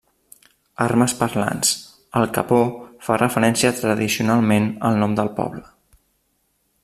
Armes parlants: el capó fa referència tradicionalment al nom del poble.